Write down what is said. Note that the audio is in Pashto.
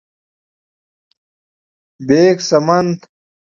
-بیک سمند: